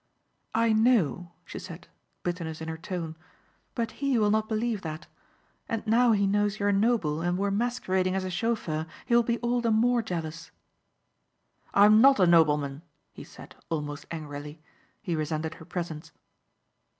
"I know," she said, bitterness in her tone, "but he will not believe that. And now he knows you are noble and were masquerading as a chauffeur he will be all the more jealous." "I'm not a nobleman," he said almost angrily. He resented her presence.